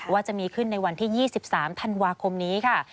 ว่าจะมีขึ้นในวันที่๒๓ธันวาคมนี้ค่ะ